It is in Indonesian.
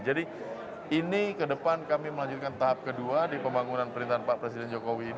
jadi ini ke depan kami melanjutkan tahap kedua di pembangunan perintahan pak presiden jokowi ini